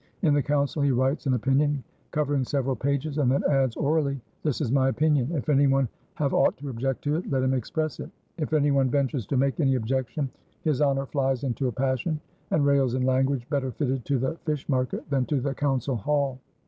In the council he writes an opinion covering several pages and then adds orally: "This is my opinion. If any one have aught to object to it, let him express it!" If any one ventures to make any objection, his Honor flies into a passion and rails in language better fitted to the fish market than to the council hall.